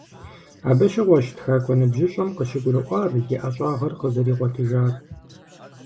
Абы щыгъуэщ тхакӀуэ ныбжьыщӀэм къыщыгурыӀуар и ӀэщӀагъэр къызэригъуэтыжар.